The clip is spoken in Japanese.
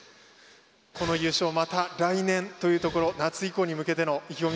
この優勝、また来年夏以降に向けての意気込み